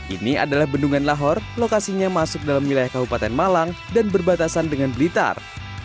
ini adalah bendungan lahor lokasinya masuk dalam wilayah kabupaten malang dan berbatasan dengan blitar